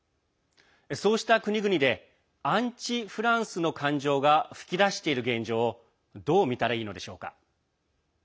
そうした国々でアンチ・フランスの感情が噴き出している現状をどう見たらいいのでしょうか。